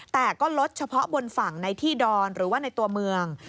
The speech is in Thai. แต่ก็ลดเฉพาะบนฝั่งในที่ดอนหรือว่าในตัวเมือง